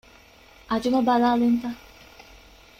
އަޖުމަ ބަލާލިންތަ؟